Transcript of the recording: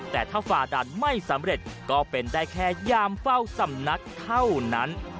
แต่ถ้าฝ่าดันไม่สำเร็จก็เป็นได้แค่ยามเฝ้าสำนักเท่านั้น